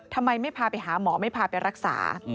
ทำไมไม่พาไปหาหมอไม่พาไปรักษา